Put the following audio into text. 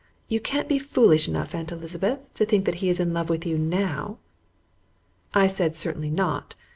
You can't be foolish enough. Aunt Elizabeth, to think that he is in love with you NOW?" I said, "Certainly not."